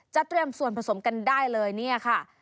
เตรียมส่วนผสมกันได้เลยเนี่ยค่ะ